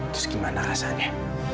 terus gimana rasanya